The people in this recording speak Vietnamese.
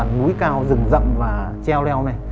núi cao rừng rậm và treo leo này